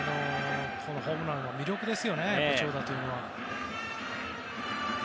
このホームランは魅力ですよね、長打というのは。